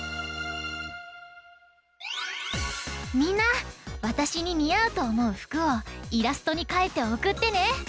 みんなわたしににあうとおもうふくをイラストにかいておくってね！